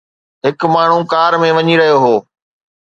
هڪ ماڻهو ڪار ۾ وڃي رهيو هو